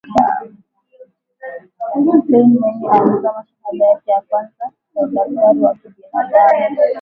Hussein Mwinyi alisoma shahada yake ya kwanza ya udaktari wa kibinaadamu